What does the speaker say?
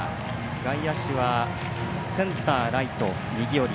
外野手はセンター、ライト右より。